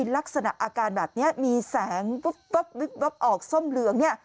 ลักษณะอาการแบบนี้มีแสงออกส้มเหลือง